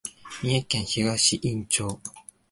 三重県東員町